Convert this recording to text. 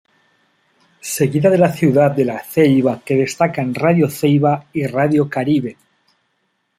Seguida de la ciudad de La Ceiba que destacan Radio Ceiba y Radio Caribe.